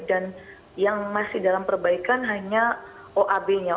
dan yang masih dalam perbaikan hanya oab nya